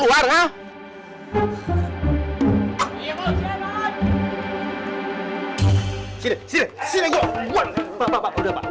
pak pak udah pak udah pak